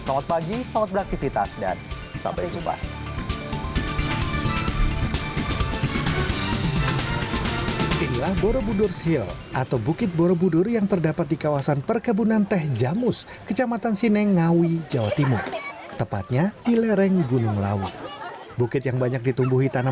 selamat pagi selamat beraktivitas dan sampai jumpa